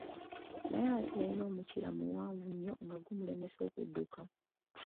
Naye ate yalina omukira muwaanvu nnyo nga gumulemesa okudduka.